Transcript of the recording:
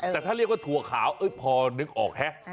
แต่ถ้าเรียกว่าถั่วขาวพอนึกออกฮะ